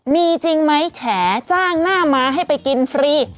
มีจริงไหมแฉจ้างหน้าม้าให้ไปกินฟรี